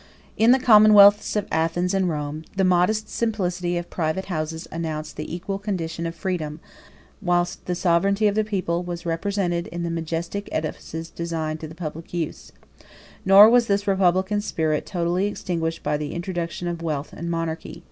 ] In the commonwealths of Athens and Rome, the modest simplicity of private houses announced the equal condition of freedom; whilst the sovereignty of the people was represented in the majestic edifices designed to the public use; 71 nor was this republican spirit totally extinguished by the introduction of wealth and monarchy.